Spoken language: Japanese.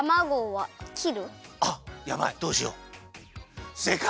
あっやばいどうしようせいかい。